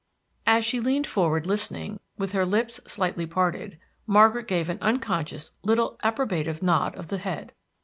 '" As she leaned forward listening, with her lips slightly parted, Margaret gave an unconscious little approbative nod of the head.